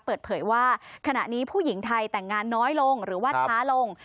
เปิดเผยว่าขณะนี้ผู้หญิงไทยแต่งงานน้อยลงหรือว่าช้าลง